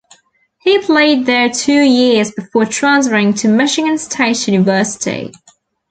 He played there two years before transferring to Michigan State University.